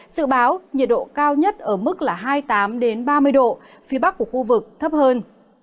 sự báo nhiệt độ cao nhất ở mức hai mươi tám ba mươi độ phía bắc của khu vực thấp hơn